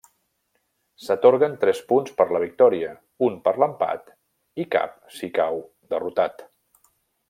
S'atorguen tres punts per la victòria, un per l'empat i cap si cau derrotat.